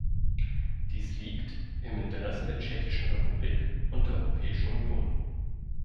Dies liegt im Interesse der Tschechischen Republik und der Europäischen Union.